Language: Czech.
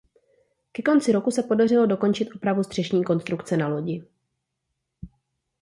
Ke konci roku se podařilo dokončit opravu střešní konstrukce na lodi.